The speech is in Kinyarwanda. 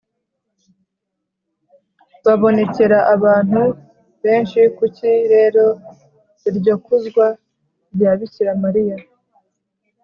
babonekera abantu benshikuki rero iryo kuzwa rya bikira mariya